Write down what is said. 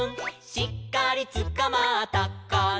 「しっかりつかまったかな」